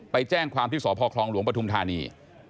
ไปแจ้งความที่สพคลองหลวงปฐุมธานี